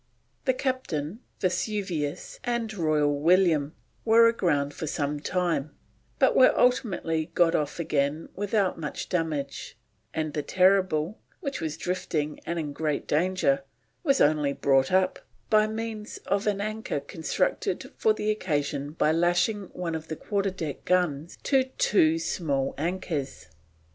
The Captain, Vesuvius, and Royal William were aground for some time, but were ultimately got off again without much damage; and the Terrible, which was drifting and in great danger, was only brought up by means of an anchor constructed for the occasion by lashing one of the quarter deck guns to two small anchors.